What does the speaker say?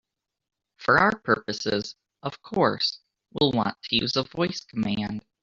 For our purposes, of course, we'll want to use a voice command.